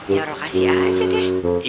ya lu kasih aja deh